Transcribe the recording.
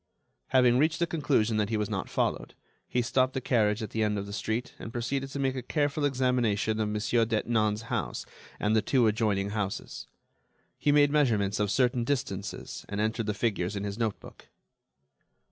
Having reached the conclusion that he was not followed, he stopped the carriage at the end of the street, and proceeded to make a careful examination of Monsieur Detinan's house and the two adjoining houses. He made measurements of certain distances and entered the figures in his notebook.